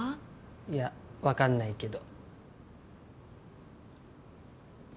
いやわかんないけど。